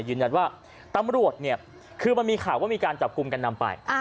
ยืนยันว่าตำรวจเนี่ยคือมันมีข่าวว่ามีการจับกลุ่มกันนำไป